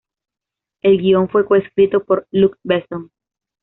El guion fue coescrito por Luc Besson.